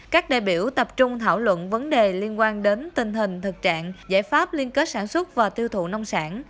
các đại biểu tập trung thảo luận vấn đề liên quan đến tình hình thực trạng giải pháp liên kết sản xuất và tiêu thụ nông sản